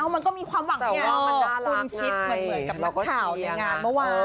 มันก็มีความหวังไงคุณคิดเหมือนกับนักข่าวในงานเมื่อวาน